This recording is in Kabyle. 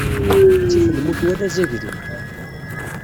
Ttif lmut wala azaglu.